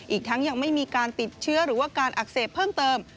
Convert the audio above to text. อีกทั้งยังไม่มีการติดเชื้อหรือว่าการอักเสบเพิ่มเติม